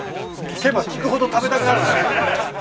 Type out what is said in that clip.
聞けば聞くほど食べたくなるね。